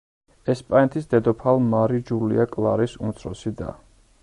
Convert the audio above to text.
ესპანეთის დედოფალ მარი ჯულია კლარის უმცროსი და.